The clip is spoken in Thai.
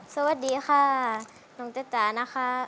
สวัสดีค่ะน้องจ๊จ๋านะคะ